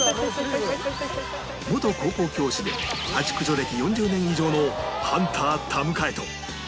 元高校教師でハチ駆除歴４０年以上のハンター田迎と